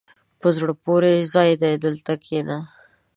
په زړه پورې ځای دی، دلته کښېنه.